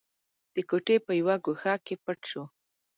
د کوټې په يوه ګوښه کې پټ شو.